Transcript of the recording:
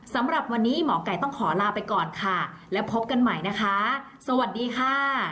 สำหรับวันนี้หมอไก่ต้องขอลาไปก่อนค่ะและพบกันใหม่นะคะสวัสดีค่ะ